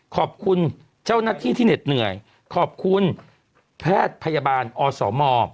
ขอบคุณเจ้าหน้าที่ที่เหน็ดเหนื่อยขอบคุณแพทย์พยาบาลอสม